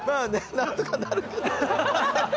なんとかなるけど。